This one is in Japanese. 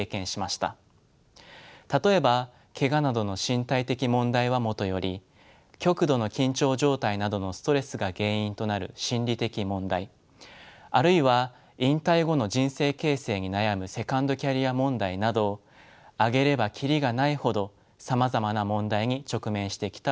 例えばけがなどの身体的問題はもとより極度の緊張状態などのストレスが原因となる心理的問題あるいは引退後の人生形成に悩むセカンドキャリア問題など挙げればキリがないほどさまざまな問題に直面してきたわけです。